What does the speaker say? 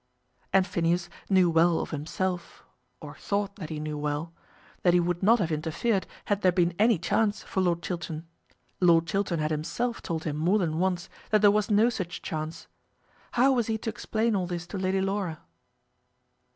And Phineas knew well of himself, or thought that he knew well, that he would not have interfered had there been any chance for Lord Chiltern. Lord Chiltern had himself told him more than once that there was no such chance. How was he to explain all this to Lady Laura?